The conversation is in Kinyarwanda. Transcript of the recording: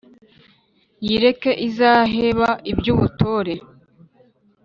yireke izaheba iby'ubutore